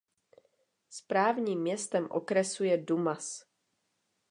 Správním městem okresu je Dumas.